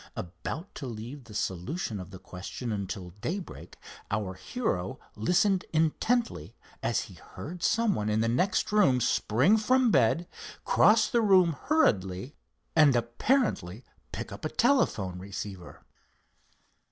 About to leave the solution of the question until daybreak, our hero listened intently as he heard someone in the next room spring from bed, cross the room hurriedly and apparently pick up a telephone receiver.